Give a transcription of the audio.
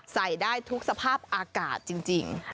ใส่ได้ทุกสภาพอากาศจริง